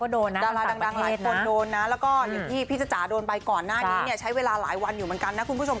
ดาราดังหลายคนโดนแล้วก็พี่จัชราโดนไปก่อนหน้านี้ใช้เวลาหลายวันอยู่เหมือนกันนะคุณผู้ชม